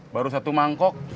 baru satu mangkok